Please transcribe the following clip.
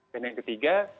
dan yang ketiga